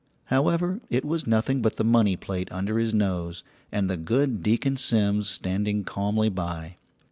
However, it was nothing but the money plate under his nose, and the good Deacon Simms standing calmly by.